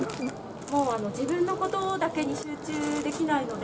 もう自分のことだけに集中できないので。